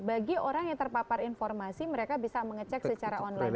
bagi orang yang terpapar informasi mereka bisa mengecek secara online